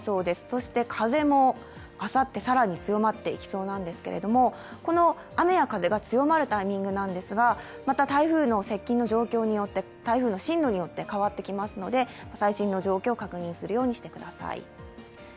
そして風もあさって更に強まっていきそうなんですけれどもこの雨や風が強まるタイミングですが、また台風の接近の状況、進路によって変わってきますので最新の状況、確認するようにしてください。